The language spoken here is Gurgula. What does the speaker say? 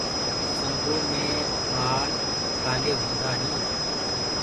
سنگو مي ڀآݪ ڪآلي هوندآ هينٚ؟